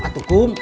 saya mau tidur